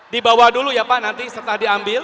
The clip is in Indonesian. dibawa dulu ya pak nanti setelah diambil